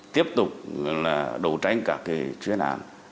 tiếp tục đấu tranh các chuyên án